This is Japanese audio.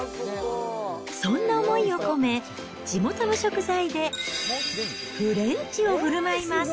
そんな思いを込め、地元の食材でフレンチをふるまいます。